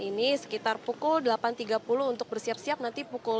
ini sekitar pukul delapan tiga puluh untuk bersiap siap nanti pukul